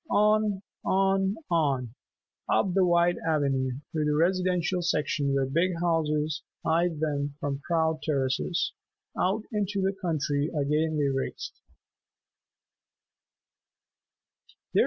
On, on, on, up the wide avenue through the "residential section" where big houses eyed them from proud terraces, out into the country again they raced.